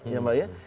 ya mbak ia